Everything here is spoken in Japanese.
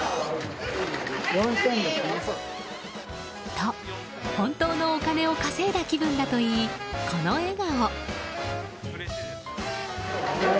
と、本当のお金を稼いだ気分だといい、この笑顔。